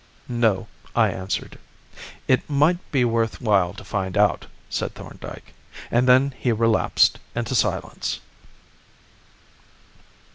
"No," I answered. "It might be worth while to find out," said Thorndyke; and then he relapsed into silence.